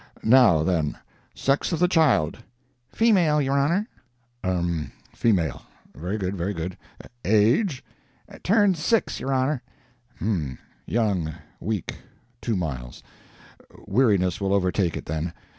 Now, then sex of the child?' "'Female, your Honor.' "'Um female. Very good, very good. Age?' "'Turned six, your Honor.' "'Um young, weak two miles. Weariness will overtake it then.